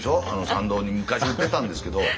参道に昔売ってたんですけど。